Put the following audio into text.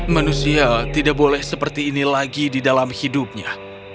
manusia tidak boleh seperti ini lagi di dalam hidupnya